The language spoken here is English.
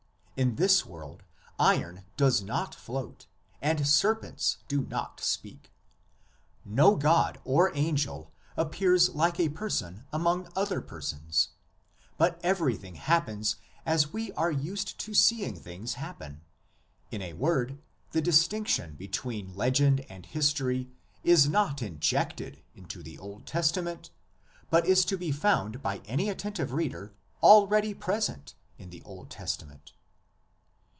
In this world iron does not float and ser pents do not speak; no god or angel appears like a person among other persons, but everything hap pens as we are used to seeing things happen. In a word, the distinction between legend and history is not injected into the Old Testament, but is to be found by any attentive reader already present in the Old Testament.